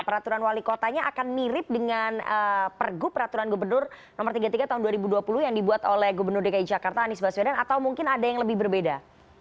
peraturan wali kotanya akan mirip dengan pergub peraturan gubernur no tiga puluh tiga tahun dua ribu dua puluh yang dibuat oleh gubernur dki jakarta anies baswedan atau mungkin ada yang lebih berbeda